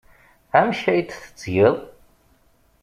Amek ay t-tettgeḍ?